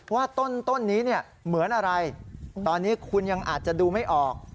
ว่าต้นนี้เนี่ยเหมือนอะไรตอนนี้คุณยังอาจจะดูไม่ออก